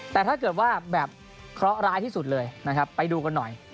แต่ถ้าเกิดว่าแบบเคราะหร้ายที่สุดเลยนะครับไปดูกันหน่อย